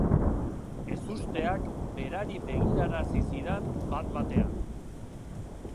Ezusteak berari begirarazi zidan bat-batean.